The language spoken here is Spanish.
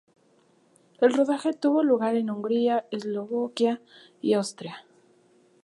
El rodaje tuvo lugar en Hungría, Eslovaquia y Austria.